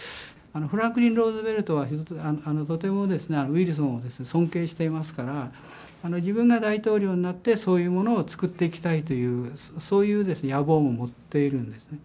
フランクリン・ルーズベルトはとてもウィルソンを尊敬していますから自分が大統領になってそういうものを作っていきたいというそういう野望も持っているんですね。